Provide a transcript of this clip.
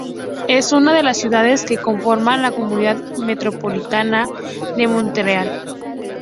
Es una de las ciudades que conforman la Comunidad metropolitana de Montreal.